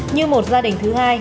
như một gia đình thứ hai